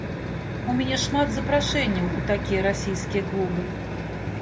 У мяне шмат запрашэнняў у такія расійскія клубы.